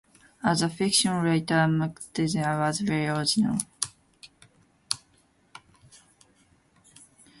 As a fiction writer, Mantegazza was very original.